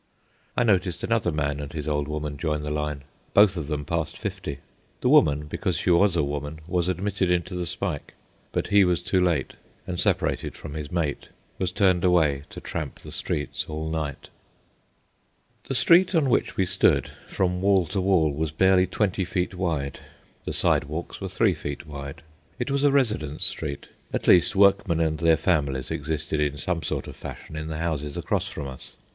I noticed another man and his old woman join the line, both of them past fifty. The woman, because she was a woman, was admitted into the spike; but he was too late, and, separated from his mate, was turned away to tramp the streets all night. The street on which we stood, from wall to wall, was barely twenty feet wide. The sidewalks were three feet wide. It was a residence street. At least workmen and their families existed in some sort of fashion in the houses across from us.